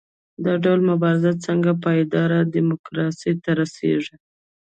دا ډول مبارزې څنګه پایداره ډیموکراسۍ ته رسیږي؟